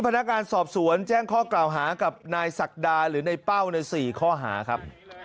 พนักงานสอบสวนแจ้งข้อกล่าวหากับนายศักดาหรือในเป้าใน๔ข้อหาครับ